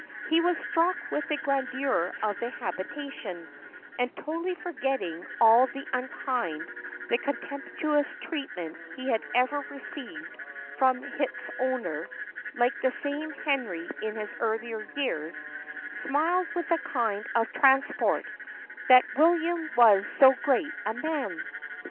He was struck with the grandeur of the habitation; and, totally forgetting all the unkind, the contemptuous treatment he had ever received from its owner (like the same Henry in his earlier years), smiled with a kind of transport "that William was so great a man."